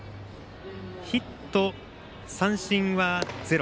ヒット、三振はゼロ。